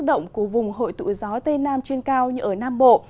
động của vùng hội tụ gió tây nam trên cao như ở nam bộ